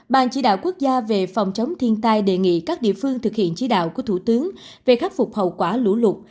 ban chỉ đạo quốc gia về phòng chống thiên tai đề nghị các địa phương thực hiện chí đạo của thủ tướng về khắc phục hậu quả lũ lụt